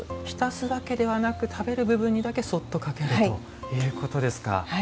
浸すだけではなく食べる部分にだけそっとかけるということですか。